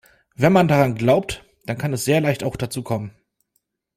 Wenn man daran glaubt, dann kann es sehr leicht auch dazu kommen.